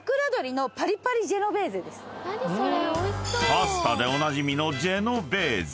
［パスタでおなじみのジェノベーゼ］